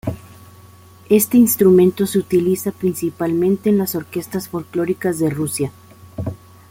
Este instrumento se utiliza principalmente en las orquestas folklóricas de Rusia.